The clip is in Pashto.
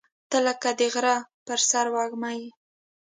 • ته لکه د غره پر سر وږمه یې.